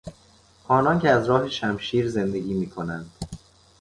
آنانکه از راه شمشیر زندگی میکنند